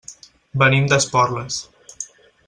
Venim d'Esporles.